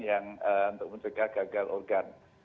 yang untuk mencegah gagal organ